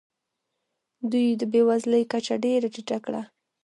دوی د بې وزلۍ کچه ډېره ټیټه کړه.